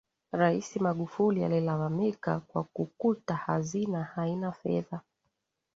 raisi magufuli alilalamika kwa kukuta hazina haina fedha